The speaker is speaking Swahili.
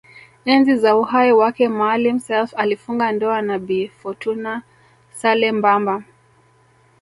Enzi za uhai wake Maalim Self alifunga ndoa na Bi Fourtuna Saleh Mbamba